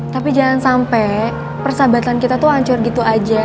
tapi jangan sampai persahabatan kita tuh hancur gitu aja